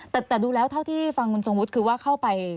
แต่ดูแล้วเท่าที่ฟังคุณทรงวุฒิคือว่าเข้าไป